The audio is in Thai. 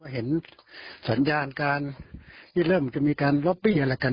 เห็นสัญญาณการที่เริ่มจะมีการล็อบบี้อะไรกัน